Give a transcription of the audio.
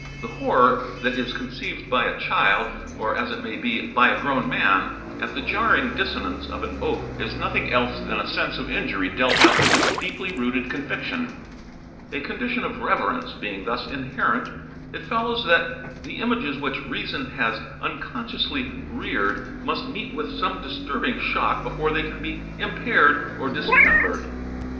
The horror that is conceived by a child, or, as it may be, by a grown man, at the jarring dissonance of an oath is nothing else than a sense of injury dealt out to this deeply rooted conviction. A condition of reverence being thus inherent, it follows that the images which reason has unconsciously reared must meet with some disturbing shock before they can be impaired or dismembered.